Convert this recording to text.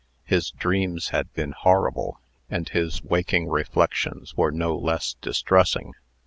His dreams had been horrible, and his waking reflections were no less distressing.